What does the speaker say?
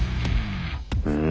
うん。